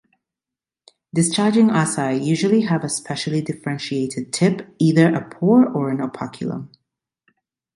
Discharging asci usually have a specially differentiated tip, either a pore or an operculum.